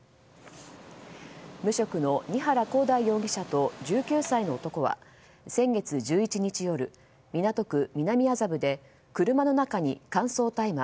無職の丹原滉大容疑者と１９歳の男は先月１１日夜、港区南麻布で車の中に乾燥大麻